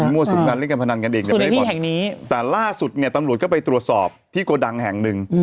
มั่วสุดงั้นเล่นการพนันกันเองแต่ล่าสุดเนี่ยตำรวจก็ไปตรวจสอบที่โกดังแห่งหนึ่ง